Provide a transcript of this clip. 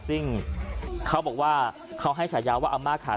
ซึ่งเขาบอกว่าเขาให้ฉายาว่าอาม่าขาด